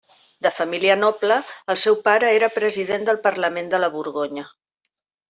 De família noble, el seu pare era president del parlament de la Borgonya.